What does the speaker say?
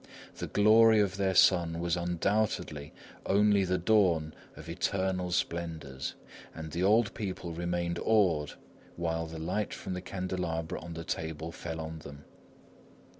The glory of their son was undoubtedly only the dawn of eternal splendours, and the old people remained awed while the light from the candelabra on the table fell on them.